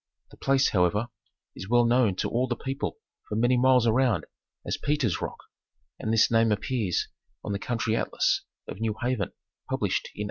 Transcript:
The place, however, is well known to all the people for many miles around as Peter's Rock, and this name appears on the county atlas of New Haven, published in 1856.